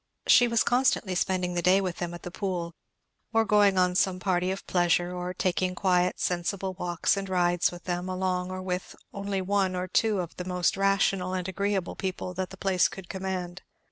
She was constantly spending the day with them at the Pool, or going on some party of pleasure, or taking quiet sensible walks and rides with them along or with only one or two more of the most rational and agreeable people that the place could command.